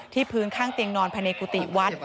ที่พื้นข้างเตียงนอนภัณฑ์เอกุติวัฒน์